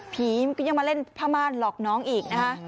ผีก็ยังมาเล่นพระมาสหลอกน้องอีกนะ